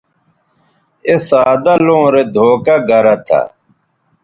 اے سادہ لوں رے دھوکہ گرہ تھہ